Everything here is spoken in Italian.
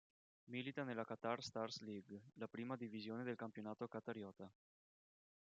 Milita nella Qatar Stars League, la prima divisione del campionato qatariota.